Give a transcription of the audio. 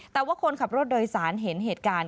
แต่ว่าคนขับรถโดยสารเห็นเหตุการณ์